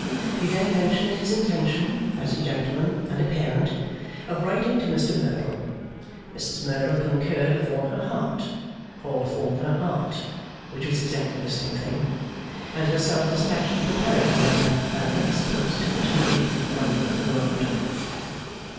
He then mentioned his intention, as a gentleman and a parent, of writing to Mr Merdle. Mrs Merdle concurred with all her heart or with all her art, which was exactly the same thing and herself despatched a preparatory letter by the next post to the eighth wonder of the world.